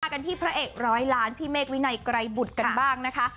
กันที่พระเอกร้อยล้านพี่เมฆวินัยไกรบุตรกันบ้างนะคะ